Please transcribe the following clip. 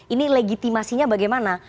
ini legitimasinya bagaimana